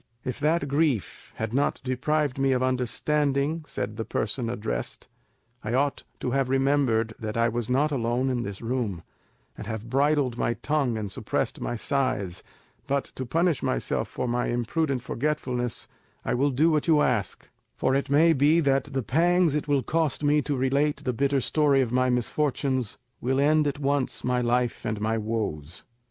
"If that grief had not deprived me of understanding," said the person addressed, "I ought to have remembered that I was not alone in this room, and have bridled my tongue and suppressed my sighs; but to punish myself for my imprudent forgetfulness, I will do what you ask; for it may be that the pangs it will cost me to relate the bitter story of my misfortunes will end at once my life and my woes.